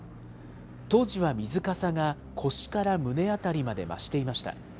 当時は水かさが腰から胸辺りまで増していました。